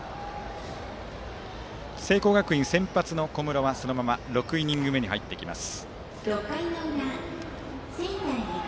聖光学院、先発の小室はそのまま６イニング目に入ります。